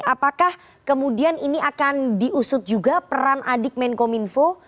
apakah kemudian ini akan diusut juga peran adik menkominfo